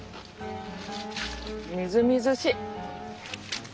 みずみずしい！